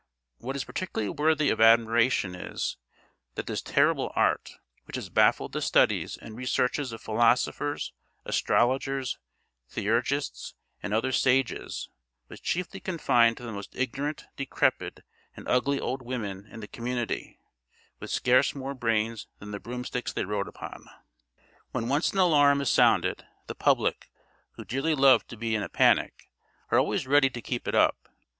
What is particularly worthy of admiration is, that this terrible art, which has baffled the studies and researches of philosophers, astrologers, theurgists, and other sages, was chiefly confined to the most ignorant, decrepid, and ugly old women in the community, with scarce more brains than the broomsticks they rode upon. When once an alarm is sounded, the public, who dearly love to be in a panic, are always ready to keep it up.